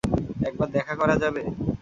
একবার দেখা করা যাবে?